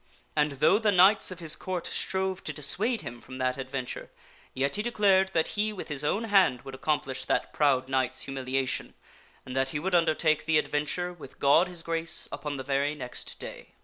And, though the knights of his Court strove to dissuade him from that ad ?ing Arthur venture, yet he declared that he with his own hand would accomplish that proud knight's humiliation, and that he would undertake the adventure, with God His Grace, upon the very next day.